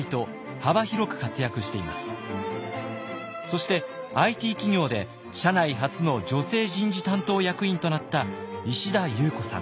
そしてＩＴ企業で社内初の女性人事担当役員となった石田裕子さん。